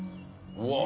うわっ。